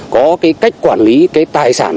có cái cách quản lý cái tài sản